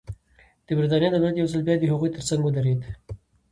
د برېټانیا دولت یو ځل بیا د هغوی ترڅنګ ودرېد.